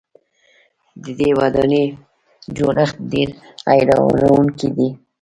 د دې ودانۍ جوړښت ډېر حیرانوونکی دی.